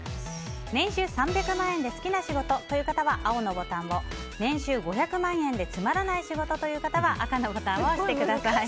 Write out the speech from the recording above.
年収３００万円で好きな仕事という方は青のボタンを年収５００万円でつまらない仕事という方は赤のボタンを押してください。